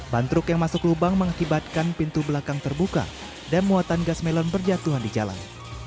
bantruk yang masuk lubang mengakibatkan pintu belakang terbuka dan muatan gas melon berjatuhan di jalan